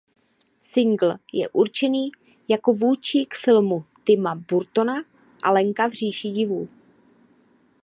Singl je určený jako vůdčí k filmu Tima Burtona Alenka v říši divů.